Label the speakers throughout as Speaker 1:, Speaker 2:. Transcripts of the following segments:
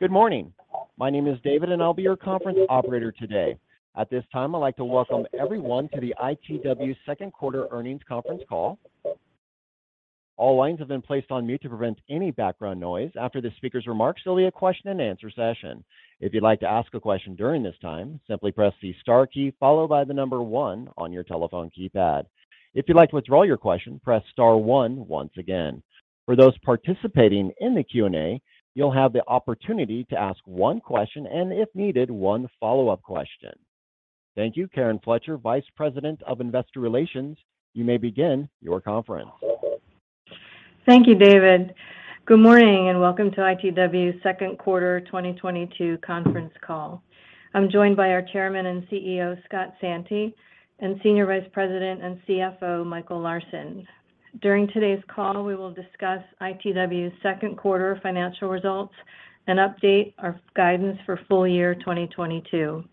Speaker 1: Good morning. My name is David, and I'll be your conference operator today. At this time, I'd like to welcome everyone to the ITW second quarter earnings conference call. All lines have been placed on mute to prevent any background noise. After the speaker's remarks, there'll be a question-and-answer session.
Speaker 2: If you'd like to ask a question during this time, simply press the star key followed by the number one on your telephone keypad. If you'd like to withdraw your question, press star one once again. For those participating in the Q&A, you'll have the opportunity to ask one question and, if needed, one follow-up question. Thank you. Karen Fletcher, Vice President of Investor Relations, you may begin your conference.
Speaker 3: Thank you, David. Good morning, and welcome to ITW second quarter 2022 conference call. I'm joined by our Chairman and CEO, E. Scott Santi, and Senior Vice President and CFO, Michael M. Larsen. During today's call, we will discuss ITW second quarter financial results and update our guidance for full year 2022.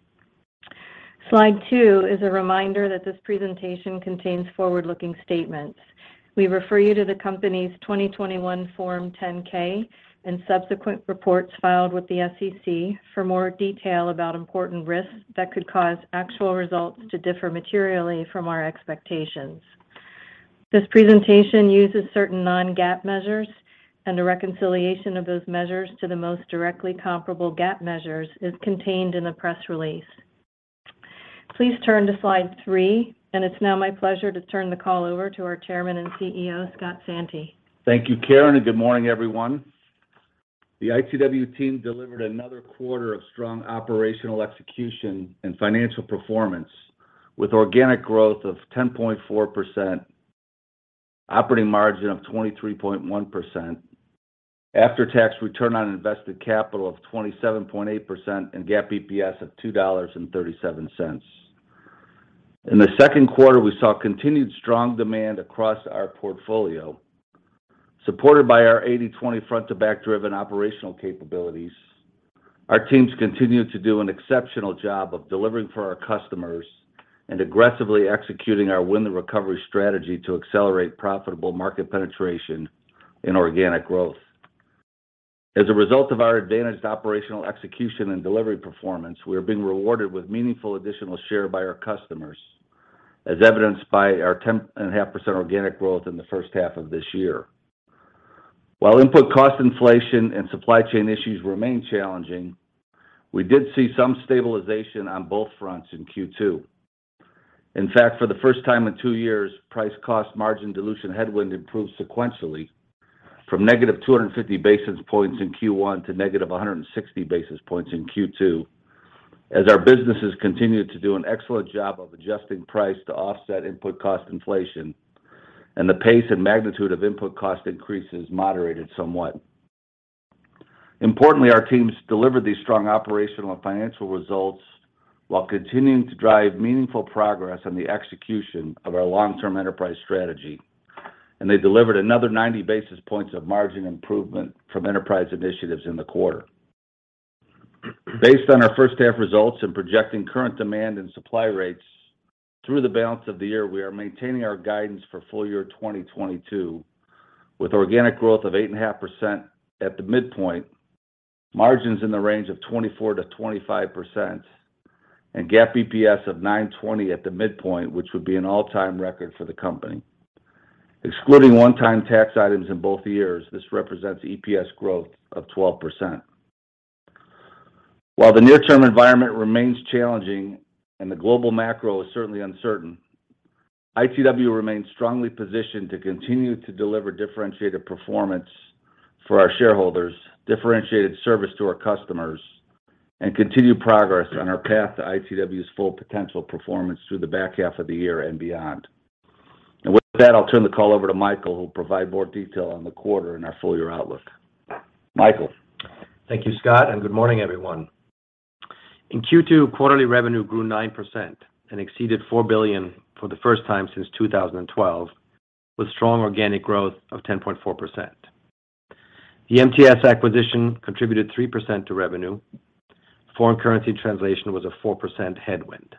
Speaker 3: Slide two, is a reminder that this presentation contains forward-looking statements. We refer you to the company's 2021 Form 10-K and subsequent reports filed with the SEC for more detail about important risks that could cause actual results to differ materially from our expectations. This presentation uses certain non-GAAP measures, and a reconciliation of those measures to the most directly comparable GAAP measures is contained in the press release. Please turn to slide three, and it's now my pleasure to turn the call over to our Chairman and CEO, E. Scott Santi.
Speaker 4: Thank you, Karen, and good morning, everyone. The ITW team delivered another quarter of strong operational execution and financial performance with organic growth of 10.4%, operating margin of 23.1%, after-tax return on invested capital of 27.8% and GAAP EPS of $2.37. In the second quarter, we saw continued strong demand across our portfolio. Supported by our 80/20 front-to-back driven operational capabilities, our teams continued to do an exceptional job of delivering for our customers and aggressively executing our Win the Recovery strategy to accelerate profitable market penetration and organic growth. As a result of our advantaged operational execution and delivery performance, we are being rewarded with meaningful additional share by our customers, as evidenced by our 10.5% organic growth in the first half of this year. While input cost inflation and supply chain issues remain challenging, we did see some stabilization on both fronts in Q2. In fact, for the first time in two years, price cost margin dilution headwind improved sequentially from -250 basis points in Q1 to -160 basis points in Q2 as our businesses continued to do an excellent job of adjusting price to offset input cost inflation and the pace and magnitude of input cost increases moderated somewhat. Importantly, our teams delivered these strong operational and financial results while continuing to drive meaningful progress on the execution of our long-term enterprise strategy, and they delivered another 90 basis points of margin improvement from enterprise initiatives in the quarter. Based on our first half results and projecting current demand and supply rates through the balance of the year, we are maintaining our guidance for full year 2022 with organic growth of 8.5% at the midpoint, margins in the range of 24%-25% and GAAP EPS of $9.20 at the midpoint, which would be an all-time record for the company. Excluding one-time tax items in both years, this represents EPS growth of 12%. While the near-term environment remains challenging and the global macro is certainly uncertain, ITW remains strongly positioned to continue to deliver differentiated performance for our shareholders, differentiated service to our customers, and continued progress on our path to ITW's full potential performance through the back half of the year and beyond. With that, I'll turn the call over to Michael, who will provide more detail on the quarter and our full-year outlook. Michael.
Speaker 5: Thank you, Scott, and good morning, everyone. In Q2, quarterly revenue grew 9% and exceeded $4 billion for the first time since 2012, with strong organic growth of 10.4%. The MTS acquisition contributed 3% to revenue. Foreign currency translation was a 4% headwind.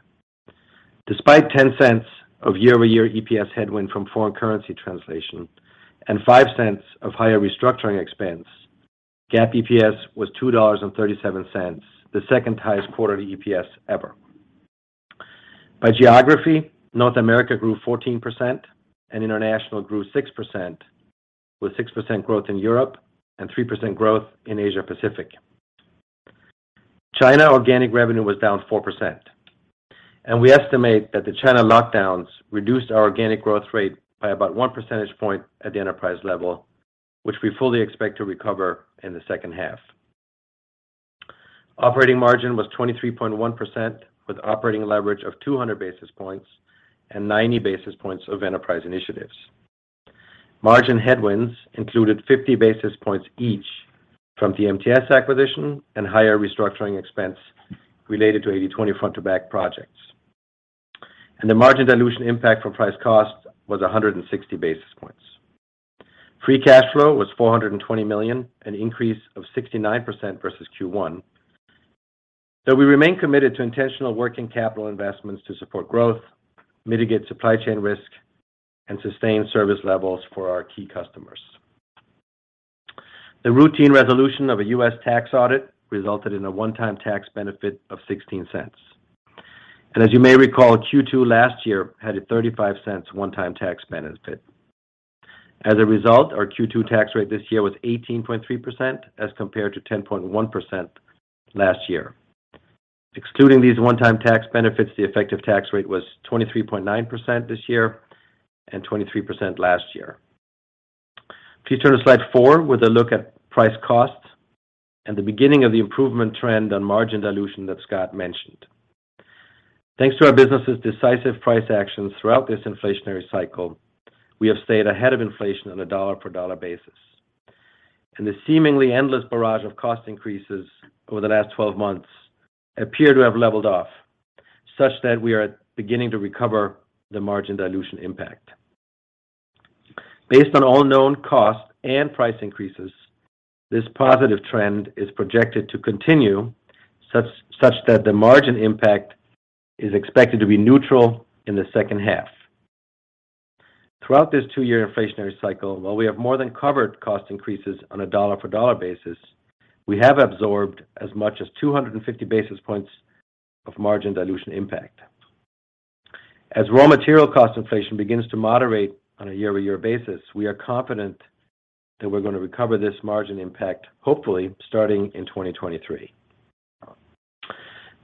Speaker 5: Despite $0.10 of year-over-year EPS headwind from foreign currency translation and $0.05 of higher restructuring expense, GAAP EPS was $2.37, the second highest quarterly EPS ever. By geography, North America grew 14% and international grew 6%, with 6% growth in Europe and 3% growth in Asia Pacific. China organic revenue was down 4%, and we estimate that the China lockdowns reduced our organic growth rate by about 1 percentage point at the enterprise level, which we fully expect to recover in the second half. Operating margin was 23.1%, with operating leverage of 200 basis points and 90 basis points of enterprise initiatives. Margin headwinds included 50 basis points each from the MTS acquisition and higher restructuring expense related to 80/20 front-to-back projects. The margin dilution impact from price cost was 160 basis points. Free cash flow was $420 million, an increase of 69% versus Q1. We remain committed to intentional working capital investments to support growth, mitigate supply chain risk, and sustain service levels for our key customers. The routine resolution of a U.S. tax audit resulted in a one-time tax benefit of $0.16. As you may recall, Q2 last year had a $0.35 one-time tax benefit. As a result, our Q2 tax rate this year was 18.3% as compared to 10.1% last year. Excluding these one-time tax benefits, the effective tax rate was 23.9% this year and 23% last year. Please turn to slide four, with a look at price costs and the beginning of the improvement trend on margin dilution that Scott mentioned. Thanks to our business's decisive price actions throughout this inflationary cycle, we have stayed ahead of inflation on a dollar-for-dollar basis. The seemingly endless barrage of cost increases over the last 12 months appear to have leveled off, such that we are beginning to recover the margin dilution impact. Based on all known costs and price increases, this positive trend is projected to continue such that the margin impact is expected to be neutral in the second half. Throughout this two-year inflationary cycle, while we have more than covered cost increases on a dollar-for-dollar basis, we have absorbed as much as 250 basis points of margin dilution impact. As raw material cost inflation begins to moderate on a year-over-year basis, we are confident that we're gonna recover this margin impact, hopefully starting in 2023.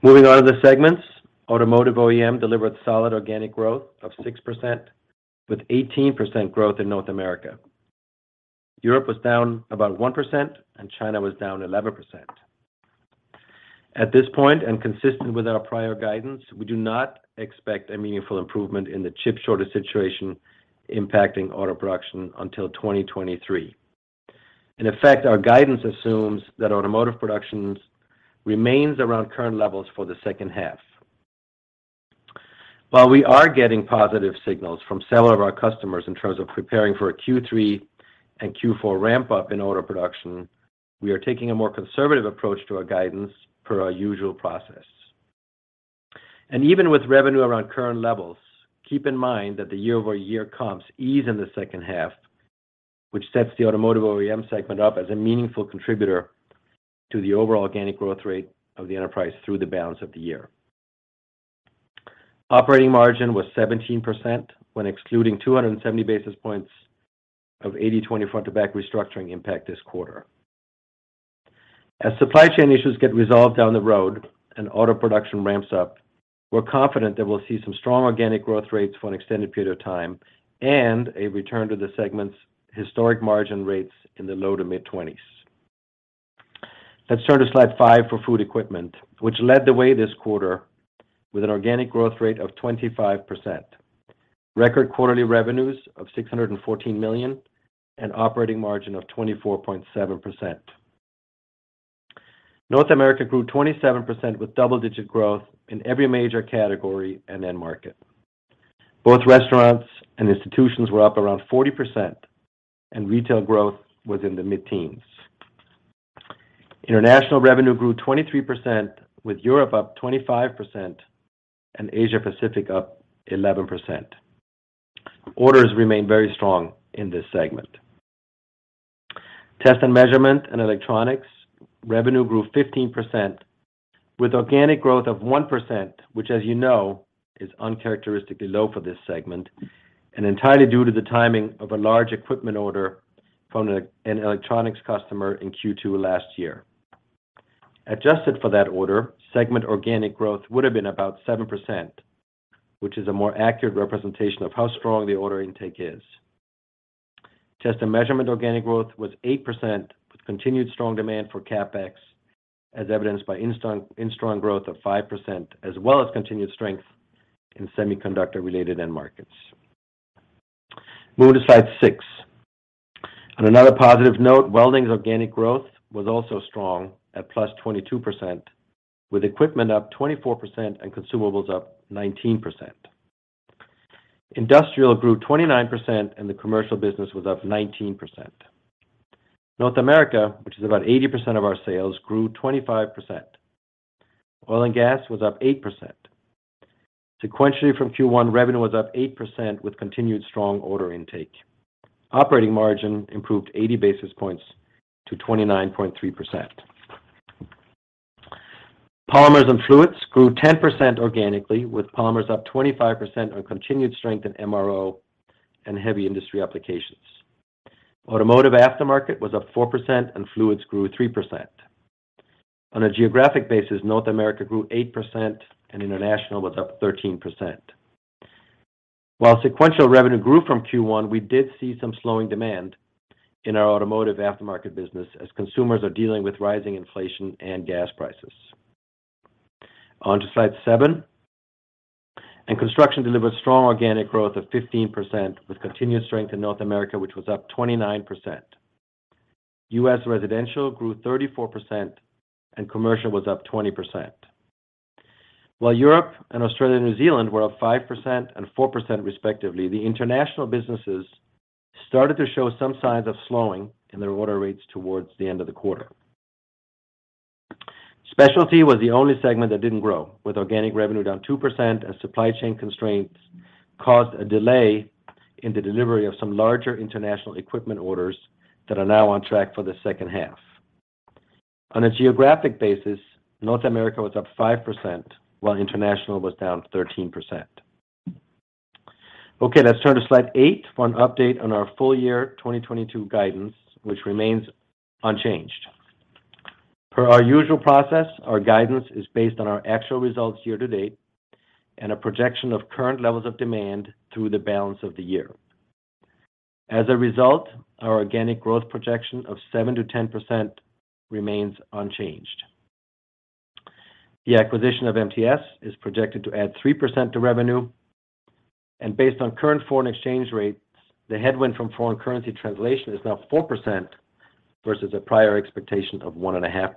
Speaker 5: Moving on to the segments, Automotive OEM delivered solid organic growth of 6%, with 18% growth in North America. Europe was down about 1%, and China was down 11%. At this point, and consistent with our prior guidance, we do not expect a meaningful improvement in the chip shortage situation impacting auto production until 2023. In effect, our guidance assumes that automotive production remains around current levels for the second half. While we are getting positive signals from several of our customers in terms of preparing for a Q3 and Q4 ramp up in auto production, we are taking a more conservative approach to our guidance per our usual process. Even with revenue around current levels, keep in mind that the year-over-year comps ease in the second half, which sets the Automotive OEM segment up as a meaningful contributor to the overall organic growth rate of the enterprise through the balance of the year. Operating margin was 17% when excluding 270 basis points of 80/20 front-to-back restructuring impact this quarter. As supply chain issues get resolved down the road and auto production ramps up, we're confident that we'll see some strong organic growth rates for an extended period of time and a return to the segment's historic margin rates in the low to mid-20s. Let's turn to slide five, for food equipment, which led the way this quarter with an organic growth rate of 25%. Record quarterly revenues of $614 million, and operating margin of 24.7%. North America grew 27% with double-digit growth in every major category and end market. Both restaurants and institutions were up around 40%, and retail growth was in the mid-teens. International revenue grew 23%, with Europe up 25% and Asia Pacific up 11%. Orders remain very strong in this segment. Test & Measurement and Electronics revenue grew 15% with organic growth of 1%, which as you know, is uncharacteristically low for this segment and entirely due to the timing of a large equipment order from an electronics customer in Q2 last year. Adjusted for that order, segment organic growth would have been about 7%, which is a more accurate representation of how strong the order intake is. Test & Measurement organic growth was 8%, with continued strong demand for CapEx, as evidenced by Instron instrument growth of 5%, as well as continued strength in semiconductor-related end markets. Moving to slide six. On another positive note, welding's organic growth was also strong at +22%, with equipment up 24% and consumables up 19%. Industrial grew 29%, and the commercial business was up 19%. North America, which is about 80% of our sales, grew 25%. Oil and gas was up 8%. Sequentially from Q1, revenue was up 8% with continued strong order intake. Operating margin improved 80 basis points to 29.3%. Polymers & Fluids grew 10% organically, with polymers up 25% on continued strength in MRO and heavy industry applications. Automotive aftermarket was up 4%, and fluids grew 3%. On a geographic basis, North America grew 8% and international was up 13%. While sequential revenue grew from Q1, we did see some slowing demand in our automotive aftermarket business as consumers are dealing with rising inflation and gas prices. On to slide seven. Construction delivered strong organic growth of 15%, with continued strength in North America, which was up 29%. U.S. residential grew 34%, and commercial was up 20%. While Europe and Australia and New Zealand were up 5% and 4% respectively, the international businesses started to show some signs of slowing in their order rates towards the end of the quarter. Specialty was the only segment that didn't grow, with organic revenue down 2% as supply chain constraints caused a delay in the delivery of some larger international equipment orders that are now on track for the second half. On a geographic basis, North America was up 5%, while international was down 13%. Okay, let's turn to slide eight for an update on our full year 2022 guidance, which remains unchanged. Per our usual process, our guidance is based on our actual results year to date and a projection of current levels of demand through the balance of the year. As a result, our organic growth projection of 7%-10% remains unchanged. The acquisition of MTS is projected to add 3% to revenue. Based on current foreign exchange rates, the headwind from foreign currency translation is now 4% versus a prior expectation of 1.5%.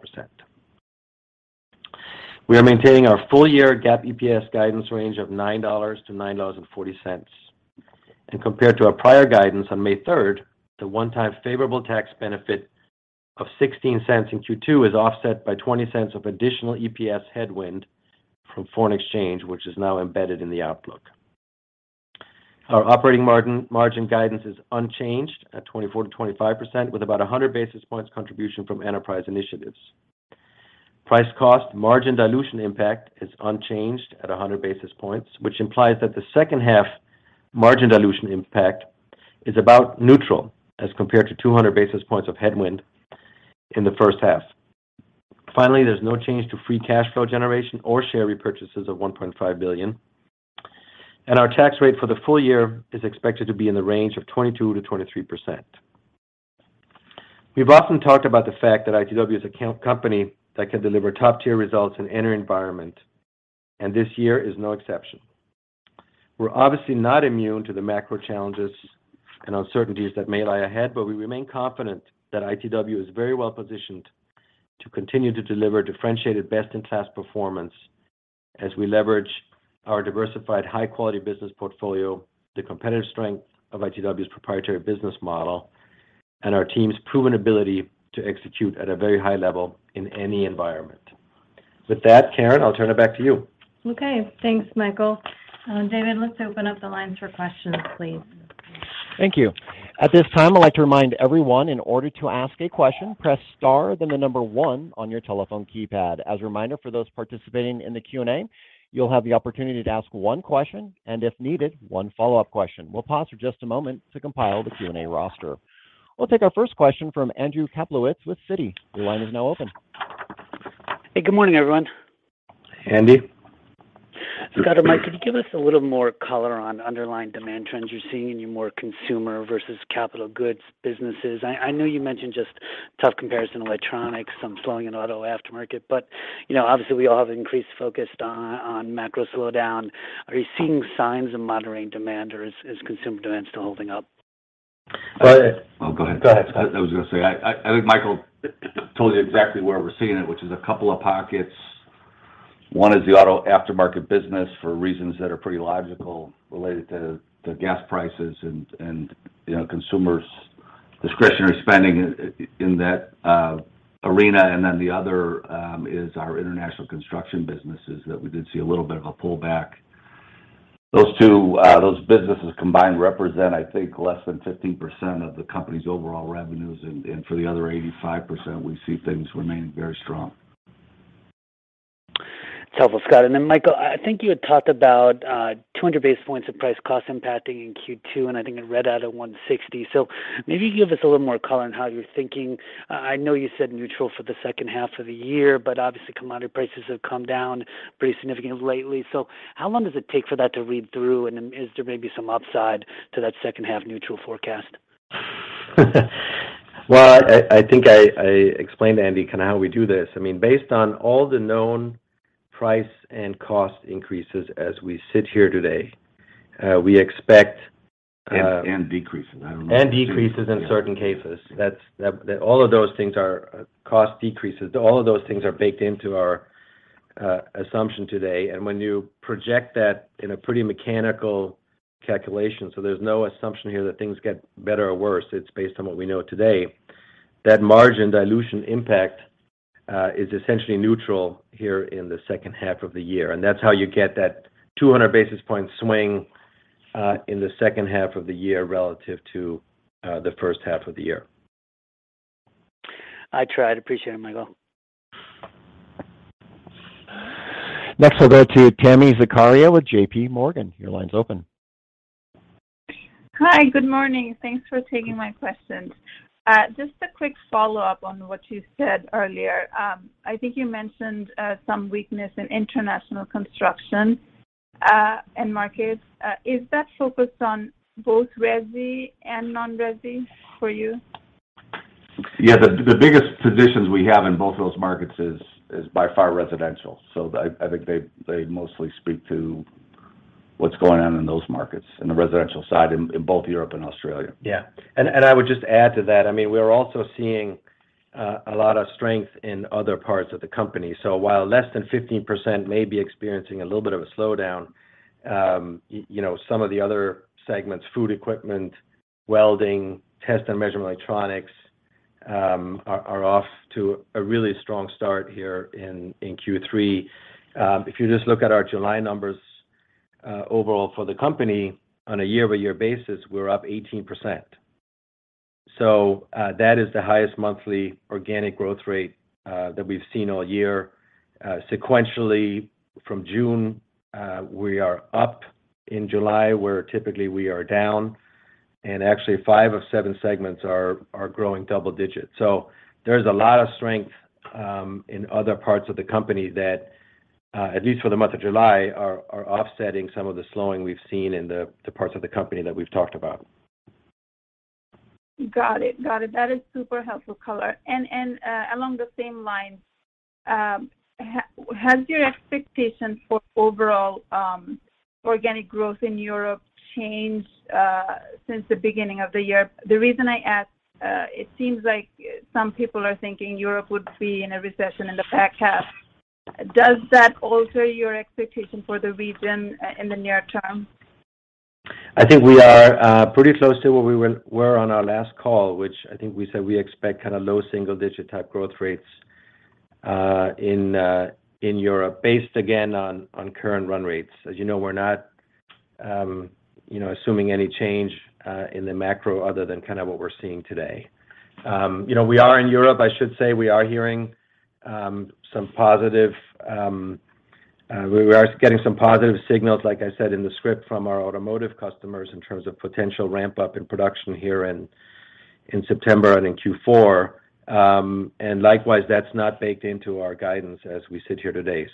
Speaker 5: We are maintaining our full-year GAAP EPS guidance range of $9-$9.40. Compared to our prior guidance on May 3rd, the one-time favorable tax benefit of $0.16 in Q2 is offset by $0.20 of additional EPS headwind from foreign exchange, which is now embedded in the outlook. Our operating margin guidance is unchanged at 24%-25% with about 100 basis points contribution from enterprise initiatives. Price-cost margin dilution impact is unchanged at 100 basis points, which implies that the second half margin dilution impact is about neutral as compared to 200 basis points of headwind in the first half. Finally, there's no change to free cash flow generation or share repurchases of $1.5 billion. Our tax rate for the full year is expected to be in the range of 22%-23%. We've often talked about the fact that ITW is a company that can deliver top-tier results in any environment, and this year is no exception. We're obviously not immune to the macro challenges and uncertainties that may lie ahead, but we remain confident that ITW is very well-positioned to continue to deliver differentiated best-in-class performance as we leverage our diversified high-quality business portfolio, the competitive strength of ITW's proprietary business model, and our team's proven ability to execute at a very high level in any environment. With that, Karen, I'll turn it back to you.
Speaker 3: Okay. Thanks, Michael. David, let's open up the lines for questions, please.
Speaker 2: Thank you. At this time, I'd like to remind everyone in order to ask a question, press star, then the number one on your telephone keypad. As a reminder for those participating in the Q&A, you'll have the opportunity to ask one question, and if needed, one follow-up question. We'll pause for just a moment to compile the Q&A roster. We'll take our first question from Andrew Kaplowitz with Citi. Your line is now open.
Speaker 6: Hey, good morning, everyone.
Speaker 5: Andrew.
Speaker 6: Scott or Mike, could you give us a little more color on underlying demand trends you're seeing in your more consumer versus capital goods businesses? I know you mentioned just tough comparison in electronics, some slowing in auto aftermarket, but, you know, obviously we all have increased focus on macro slowdown. Are you seeing signs of moderating demand, or is consumer demand still holding up?
Speaker 5: Go ahead.
Speaker 4: Oh, go ahead.
Speaker 5: Go ahead.
Speaker 4: I was gonna say, I think Michael told you exactly where we're seeing it, which is a couple of pockets. One is the auto aftermarket business for reasons that are pretty logical related to gas prices and, you know, consumers' discretionary spending in that arena. The other is our international construction businesses that we did see a little bit of a pullback. Those two businesses combined represent, I think, less than 15% of the company's overall revenues. For the other 85%, we see things remaining very strong.
Speaker 6: It's helpful, Scott. Then Michael, I think you had talked about 200 basis points of price cost impacting in Q2, and I think it read out at 160. Maybe you can give us a little more color on how you're thinking. I know you said neutral for the second half of the year, but obviously commodity prices have come down pretty significantly lately. How long does it take for that to read through? Then is there maybe some upside to that second half neutral forecast?
Speaker 5: Well, I think I explained to Andrew kinda how we do this. I mean, based on all the known price and cost increases as we sit here today, we expect.
Speaker 4: Decreases. I don't know.
Speaker 5: Decreases in certain cases. All of those things are cost decreases. All of those things are baked into our assumption today. When you project that in a pretty mechanical calculation, so there's no assumption here that things get better or worse, it's based on what we know today, that margin dilution impact is essentially neutral here in the second half of the year. That's how you get that 200 basis points swing in the second half of the year relative to the first half of the year.
Speaker 6: I tried. Appreciate it, Michael.
Speaker 2: Next we'll go to Tami Zakaria with JPMorgan. Your line's open.
Speaker 7: Hi. Good morning. Thanks for taking my questions. Just a quick follow-up on what you said earlier. I think you mentioned some weakness in international construction end markets. Is that focused on both resi and non-resi for you?
Speaker 4: Yeah. The biggest positions we have in both of those markets is by far residential. I think they mostly speak to what's going on in those markets, in the residential side in both Europe and Australia.
Speaker 5: Yeah. I would just add to that, I mean, we're also seeing a lot of strength in other parts of the company. While less than 15% may be experiencing a little bit of a slowdown, you know, some of the other segments, Food Equipment, Welding, Test & Measurement and Electronics, are off to a really strong start here in Q3. If you just look at our July numbers, overall for the company, on a year-over-year basis, we're up 18%. That is the highest monthly organic growth rate that we've seen all year. Sequentially from June, we are up in July, where typically we are down, and actually five of seven segments are growing double digits. There's a lot of strength in other parts of the company that, at least for the month of July, are offsetting some of the slowing we've seen in the parts of the company that we've talked about.
Speaker 7: Got it. That is super helpful color. Along the same lines, has your expectations for overall organic growth in Europe changed since the beginning of the year? The reason I ask, it seems like some people are thinking Europe would be in a recession in the back half. Does that alter your expectation for the region in the near term?
Speaker 5: I think we are pretty close to where we were on our last call, which I think we said we expect kind of low single digit type growth rates in Europe, based again on current run rates. As you know, we're not you know assuming any change in the macro other than kind of what we're seeing today. You know, we are in Europe, I should say, we are hearing some positive signals, like I said in the script, from our automotive customers in terms of potential ramp up in production here in September and in Q4. Likewise, that's not baked into our guidance as we sit here today.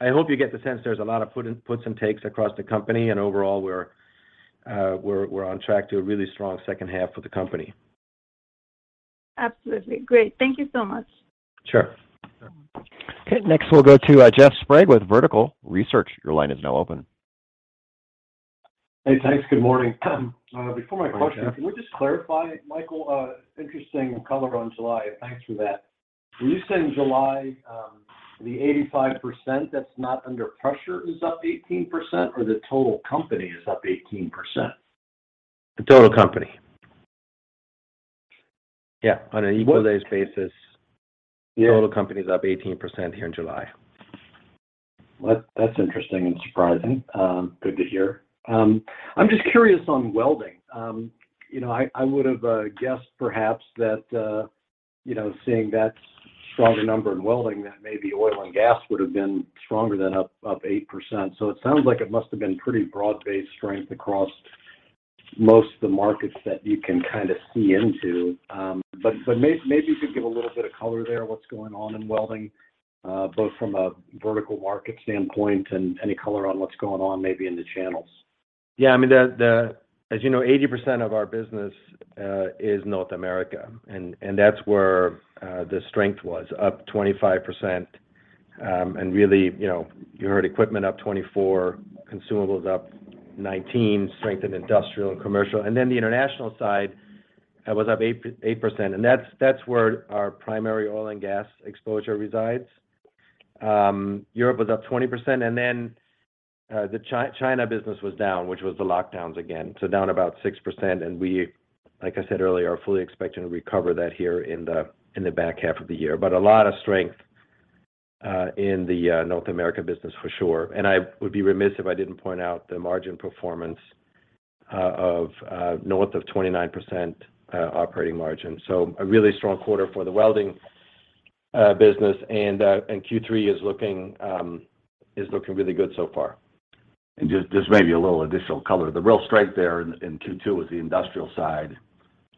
Speaker 5: I hope you get the sense there's a lot of puts and takes across the company, and overall we're on track to a really strong second half for the company.
Speaker 7: Absolutely. Great. Thank you so much.
Speaker 5: Sure.
Speaker 2: Okay. Next we'll go to Jeff Sprague with Vertical Research. Your line is now open.
Speaker 8: Hey, thanks. Good morning. Before my question.
Speaker 4: Good morning, Jeff.
Speaker 8: Can we just clarify, Michael, interesting color on July. Thanks for that. When you say in July, the 85% that's not under pressure is up 18%, or the total company is up 18%?
Speaker 5: The total company. Yeah. On an equalized basis.
Speaker 8: What?
Speaker 5: The total company is up 18% here in July.
Speaker 8: Well, that's interesting and surprising. Good to hear. I'm just curious on Welding. You know, I would have guessed perhaps that you know, seeing that stronger number in Welding, that maybe oil and gas would have been stronger than up 8%. It sounds like it must have been pretty broad-based strength across most of the markets that you can kind of see into. But maybe you could give a little bit of color there, what's going on in welding, both from a vertical market standpoint and any color on what's going on maybe in the channels.
Speaker 5: Yeah, I mean, as you know, 80% of our business is North America, and that's where the strength was, up 25%. Really, you know, you heard equipment up 24%, consumables up 19%, strength in industrial and commercial. Then the international side was up 8%, and that's where our primary oil and gas exposure resides. Europe was up 20%, and then the China business was down, which was the lockdowns again, so down about 6%. We, like I said earlier, are fully expecting to recover that here in the back half of the year. But a lot of strength in the North America business for sure. I would be remiss if I didn't point out the margin performance of north of 29% operating margin. A really strong quarter for the welding business. Q3 is looking really good so far.
Speaker 4: Just maybe a little additional color. The real strength there in Q2 was the industrial side.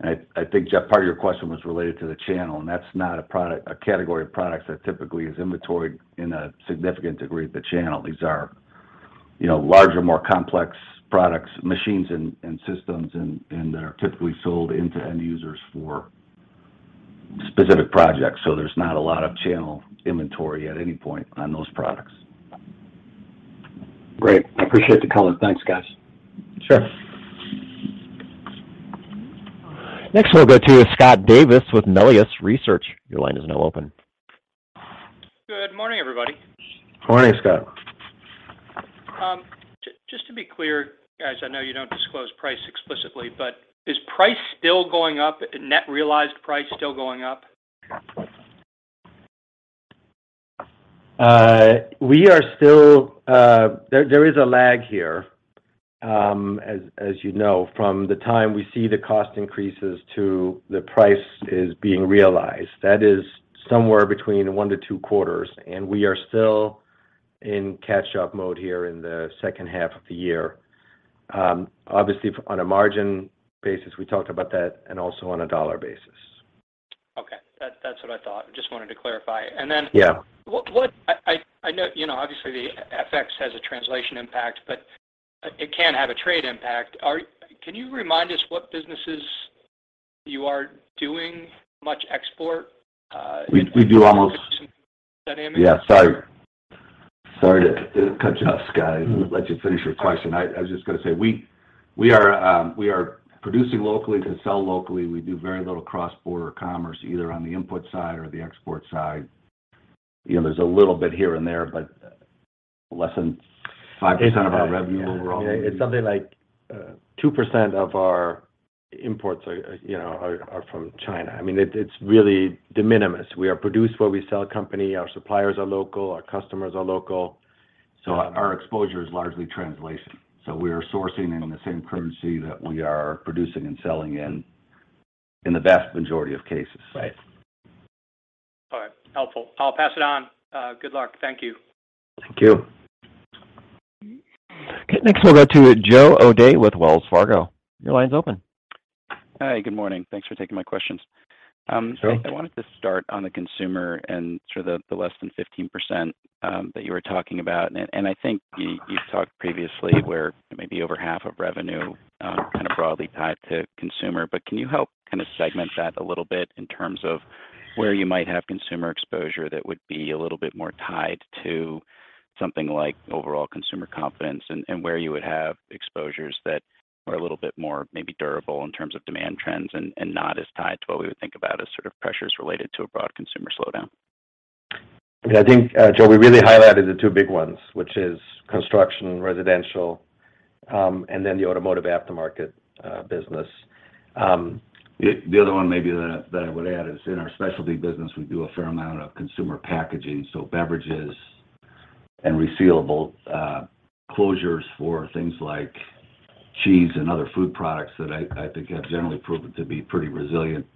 Speaker 4: I think, Jeff, part of your question was related to the channel, and that's not a product, a category of products that typically is inventoried in a significant degree at the channel. These are, you know, larger, more complex products, machines and systems and that are typically sold into end users for specific projects. There's not a lot of channel inventory at any point on those products.
Speaker 8: Great. I appreciate the color. Thanks, guys.
Speaker 5: Sure.
Speaker 2: Next we'll go to Scott Davis with Melius Research. Your line is now open.
Speaker 9: Good morning, everybody.
Speaker 4: Morning, Scott.
Speaker 9: Just to be clear, guys, I know you don't disclose price explicitly, but is price still going up, net realized price still going up?
Speaker 5: We are still. There is a lag here, as you know, from the time we see the cost increases to the price is being realized. That is somewhere between one to two quarters, and we are still in catch up mode here in the second half of the year. Obviously on a margin basis, we talked about that, and also on a dollar basis.
Speaker 9: Okay. That's what I thought. Just wanted to clarify.
Speaker 5: Yeah.
Speaker 9: I know, you know, obviously the FX has a translation impact, but it can have a trade impact. Can you remind us what businesses you are doing much exporting?
Speaker 5: We do almost.
Speaker 4: Yeah, sorry. Sorry to cut you off, Scott, and let you finish your question. I was just gonna say, we are producing locally to sell locally. We do very little cross-border commerce, either on the input side or the export side. You know, there's a little bit here and there, but less than 5% of our revenue overall.
Speaker 5: Yeah. It's something like 2% of our imports are, you know, from China. I mean, it's really de minimis. We produce where we sell company. Our suppliers are local. Our customers are local.
Speaker 4: Our exposure is largely translation. We are sourcing in the same currency that we are producing and selling in the vast majority of cases.
Speaker 5: Right.
Speaker 9: All right. Helpful. I'll pass it on. Good luck. Thank you.
Speaker 4: Thank you.
Speaker 2: Okay. Next we'll go to Joseph O'Dea with Wells Fargo. Your line's open.
Speaker 10: Hi. Good morning. Thanks for taking my questions. I wanted to start on the consumer and sort of the less than 15%, that you were talking about. I think you've talked previously where maybe over half of revenue kind of broadly tied to consumer. Can you help kind of segment that a little bit in terms of where you might have consumer exposure that would be a little bit more tied to something like overall consumer confidence, and where you would have exposures that are a little bit more maybe durable in terms of demand trends and not as tied to what we would think about as sort of pressures related to a broad consumer slowdown?
Speaker 5: Yeah, I think, Joseph, we really highlighted the two big ones, which is construction, residential, and then the automotive aftermarket business.
Speaker 4: The other one maybe that I would add is in our specialty business, we do a fair amount of consumer packaging. Beverages and resealable closures for things like cheese and other food products that I think have generally proven to be pretty resilient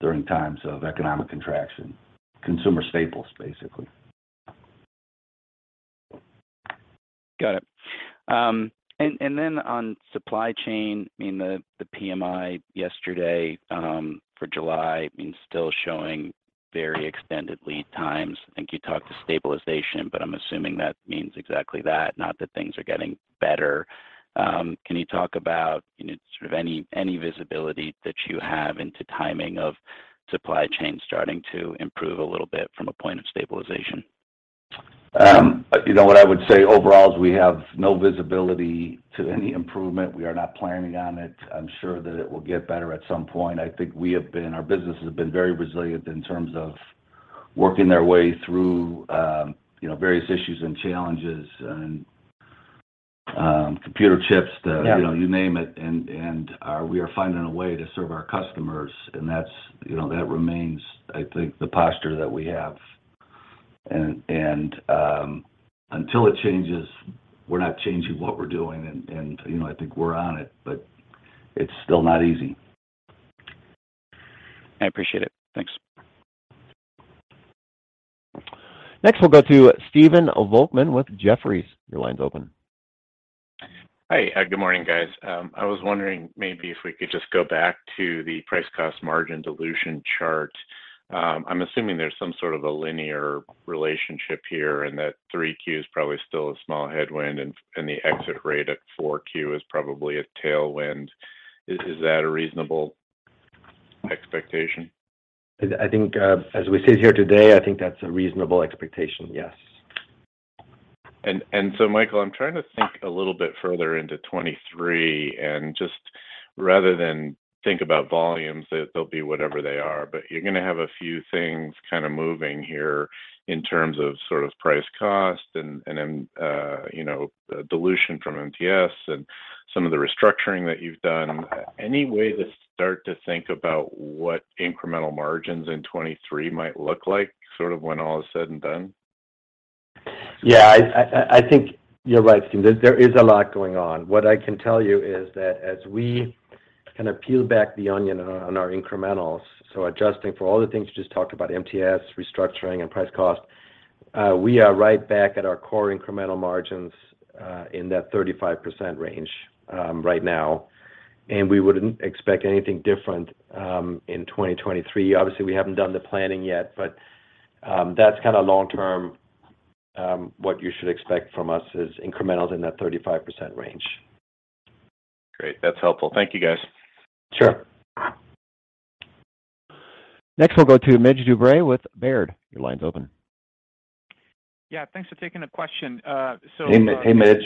Speaker 4: during times of economic contraction. Consumer staples, basically.
Speaker 10: Got it. On supply chain, I mean, the PMI yesterday for July, I mean, still showing very extended lead times. I think you talked about stabilization, but I'm assuming that means exactly that, not that things are getting better. Can you talk about, you know, sort of any visibility that you have into timing of supply chain starting to improve a little bit from a point of stabilization?
Speaker 4: You know, what I would say overall is we have no visibility to any improvement. We are not planning on it. I'm sure that it will get better at some point. I think our business has been very resilient in terms of working their way through, you know, various issues and challenges and, computer chips that.
Speaker 10: Yeah.
Speaker 4: You know, you name it. We are finding a way to serve our customers, and that's, you know, that remains, I think, the posture that we have. Until it changes, we're not changing what we're doing. You know, I think we're on it, but it's still not easy.
Speaker 10: I appreciate it. Thanks.
Speaker 2: Next we'll go to Stephen Volkmann with Jefferies. Your line's open.
Speaker 11: Hi. Good morning, guys. I was wondering maybe if we could just go back to the price cost margin dilution chart. I'm assuming there's some sort of a linear relationship here, and that 3Q is probably still a small headwind and the exit rate at 4Q is probably a tailwind. Is that a reasonable expectation?
Speaker 5: I think, as we sit here today, I think that's a reasonable expectation, yes.
Speaker 11: Michael, I'm trying to think a little bit further into 2023 and just rather than think about volumes, that they'll be whatever they are, but you're gonna have a few things kind of moving here in terms of sort of price cost and then dilution from MTS and some of the restructuring that you've done. Any way to start to think about what incremental margins in 2023 might look like, sort of when all is said and done?
Speaker 5: Yeah. I think you're right, Stephen. There is a lot going on. What I can tell you is that as we kind of peel back the onion on our incrementals, so adjusting for all the things you just talked about, MTS, restructuring, and price cost, we are right back at our core incremental margins, in that 35% range, right now, and we wouldn't expect anything different, in 2023. Obviously, we haven't done the planning yet, but, that's kind of long term, what you should expect from us is incrementals in that 35% range.
Speaker 11: Great. That's helpful. Thank you, guys.
Speaker 5: Sure.
Speaker 2: Next, we'll go to Mircea Dobre with Baird. Your line's open.
Speaker 12: Yeah, thanks for taking the question.
Speaker 5: Hey, Migs.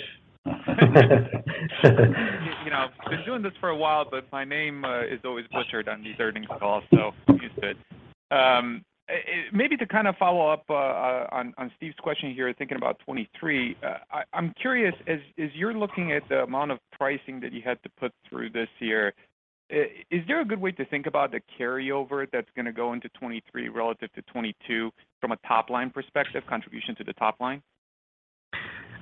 Speaker 12: You know, I've been doing this for a while, but my name is always butchered on these earnings calls, so I'm used to it. Maybe to kind of follow up on Steve's question here, thinking about 2023, I'm curious, as you're looking at the amount of pricing that you had to put through this year, is there a good way to think about the carryover that's gonna go into 2023 relative to 2022 from a top line perspective, contribution to the top line?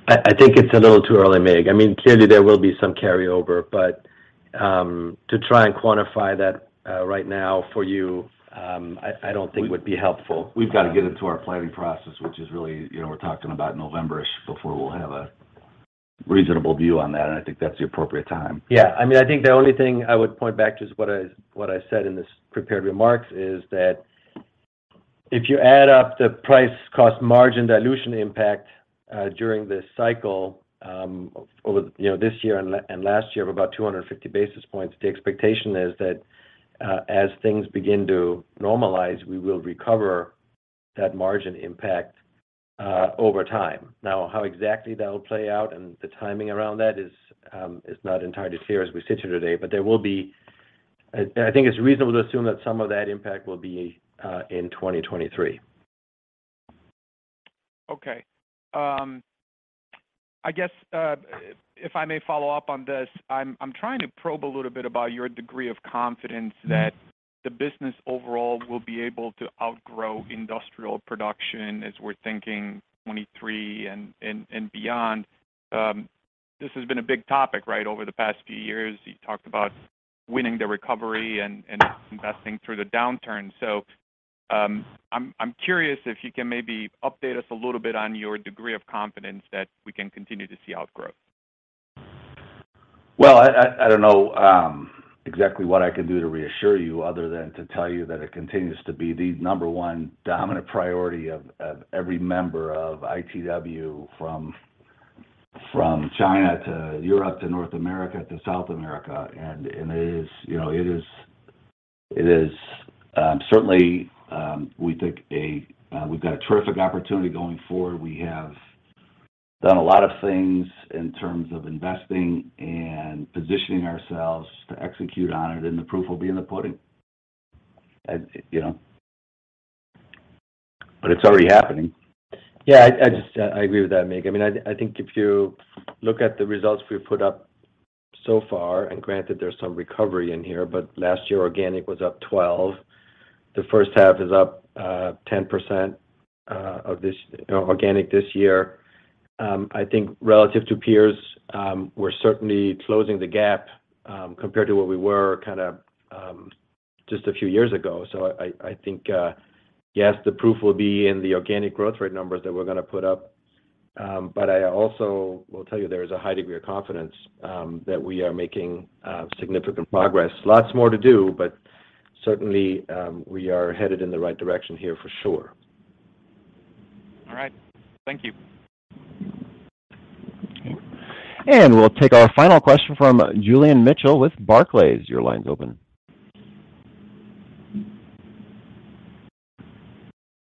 Speaker 5: I think it's a little too early, Migs. I mean, clearly there will be some carryover, but to try and quantify that right now for you, I don't think would be helpful.
Speaker 4: We've got to get into our planning process, which is really, you know, we're talking about November-ish before we'll have a reasonable view on that, and I think that's the appropriate time.
Speaker 5: Yeah. I mean, I think the only thing I would point back to is what I said in this prepared remarks is that if you add up the price cost margin dilution impact during this cycle, over, you know, this year and last year of about 250 basis points. The expectation is that, as things begin to normalize, we will recover that margin impact over time. Now, how exactly that will play out and the timing around that is not entirely clear as we sit here today, but I think it's reasonable to assume that some of that impact will be in 2023.
Speaker 12: Okay. I guess if I may follow up on this, I'm trying to probe a little bit about your degree of confidence that the business overall will be able to outgrow industrial production as we're thinking 2023 and beyond. This has been a big topic, right, over the past few years. You talked about winning the recovery and investing through the downturn. I'm curious if you can maybe update us a little bit on your degree of confidence that we can continue to see outgrowth.
Speaker 4: Well, I don't know exactly what I can do to reassure you other than to tell you that it continues to be the number one dominant priority of every member of ITW from China to Europe to North America to South America. It is, you know, certainly we think we've got a terrific opportunity going forward. We have done a lot of things in terms of investing and positioning ourselves to execute on it, and the proof will be in the pudding. You know. It's already happening.
Speaker 5: Yeah, I agree with that, Mig. I mean, I think if you look at the results we've put up so far, and granted there's some recovery in here, but last year organic was up 12%. The first half is up 10% of this, you know, organic this year. I think relative to peers, we're certainly closing the gap compared to where we were kind of just a few years ago. I think yes, the proof will be in the organic growth rate numbers that we're gonna put up. But I also will tell you there is a high degree of confidence that we are making significant progress. Lots more to do, but certainly we are headed in the right direction here for sure.
Speaker 12: All right. Thank you.
Speaker 2: We'll take our final question from Julian Mitchell with Barclays. Your line's open.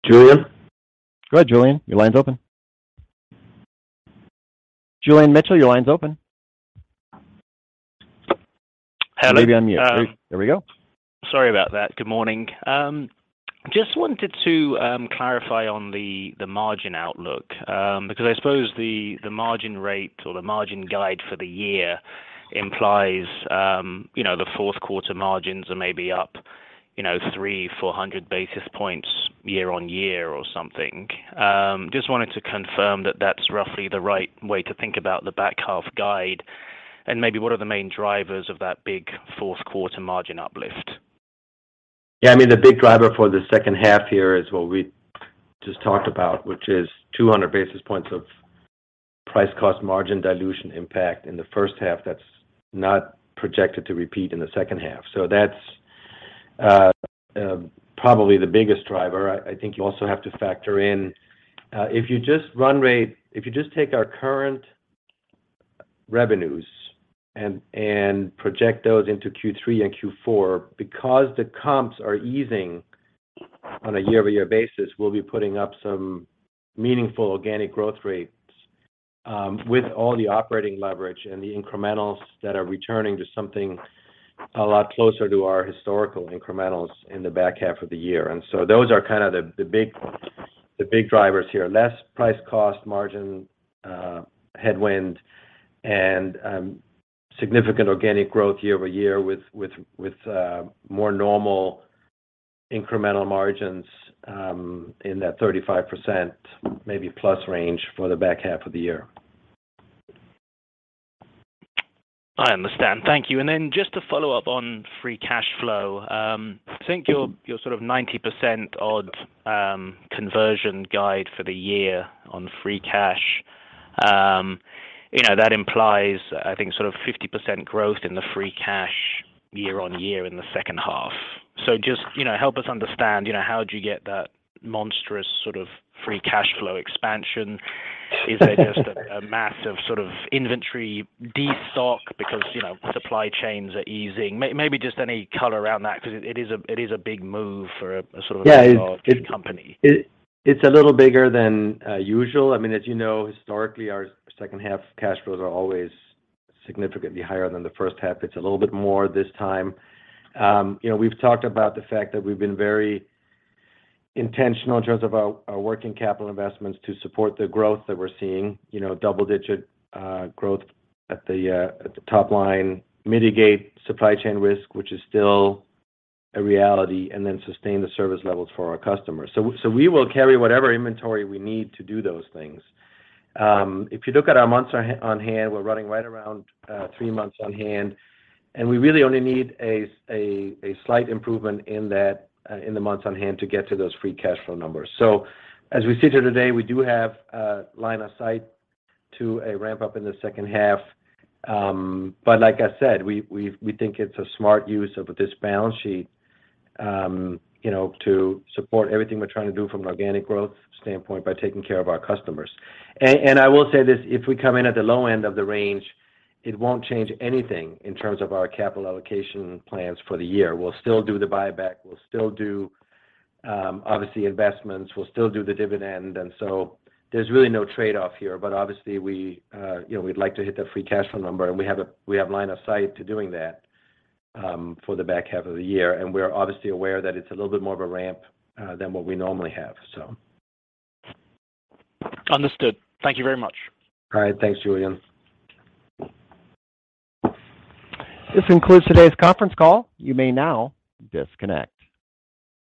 Speaker 2: Julian? Go ahead, Julian. Your line's open. Julian Mitchell, your line's open.
Speaker 13: Hello.
Speaker 2: Maybe on mute. There we go.
Speaker 13: Sorry about that. Good morning. Just wanted to clarify on the margin outlook, because I suppose the margin rate or the margin guide for the year implies, you know, the fourth quarter margins are maybe up, you know, 300-400 basis points year-over-year or something. Just wanted to confirm that that's roughly the right way to think about the back half guide, and maybe what are the main drivers of that big fourth quarter margin uplift.
Speaker 5: Yeah, I mean, the big driver for the second half here is what we just talked about, which is 200 basis points of price cost margin dilution impact in the first half that's not projected to repeat in the second half. That's probably the biggest driver. I think you also have to factor in if you just take our current revenues and project those into Q3 and Q4, because the comps are easing on a year-over-year basis, we'll be putting up some meaningful organic growth rates with all the operating leverage and the incrementals that are returning to something a lot closer to our historical incrementals in the back half of the year. Those are kind of the big drivers here. Less price-cost margin headwind and significant organic growth year-over-year with more normal incremental margins in that 35% maybe plus range for the back half of the year.
Speaker 13: I understand. Thank you. Then just to follow up on free cash flow, I think your sort of 90% odd conversion guide for the year on free cash, you know, that implies, I think, sort of 50% growth in the free cash year-over-year in the second half. Just, you know, help us understand, you know, how do you get that monstrous sort of free cash flow expansion? Is there just a massive sort of inventory destock because, you know, supply chains are easing? Maybe just any color around that because it is a big move for a sort of.
Speaker 5: Yeah. It's
Speaker 13: Big company.
Speaker 5: It's a little bigger than usual. I mean, as you know, historically, our second half cash flows are always significantly higher than the first half. It's a little bit more this time. You know, we've talked about the fact that we've been very intentional in terms of our working capital investments to support the growth that we're seeing, you know, double-digit growth at the top line, mitigate supply chain risk, which is still a reality, and then sustain the service levels for our customers. So we will carry whatever inventory we need to do those things. If you look at our months on hand, we're running right around three months on hand, and we really only need a slight improvement in that, in the months on hand to get to those free cash flow numbers. As we sit here today, we do have a line of sight to a ramp-up in the second half. Like I said, we think it's a smart use of this balance sheet, you know, to support everything we're trying to do from an organic growth standpoint by taking care of our customers. I will say this, if we come in at the low end of the range, it won't change anything in terms of our capital allocation plans for the year. We'll still do the buyback. We'll still do, obviously investments. We'll still do the dividend. There's really no trade-off here. Obviously we you know we'd like to hit that free cash flow number, and we have line of sight to doing that, for the back half of the year. We're obviously aware that it's a little bit more of a ramp than what we normally have, so.
Speaker 13: Understood. Thank you very much.
Speaker 5: All right. Thanks, Julian.
Speaker 2: This concludes today's conference call. You may now disconnect.